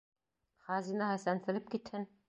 Хазинаһы сәнселеп китһен!